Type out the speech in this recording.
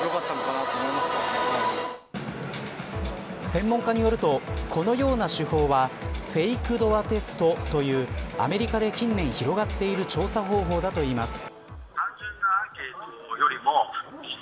専門家によるとこのような手法はフェイクドアテストというアメリカで近年、広がっている調査方法だといいます。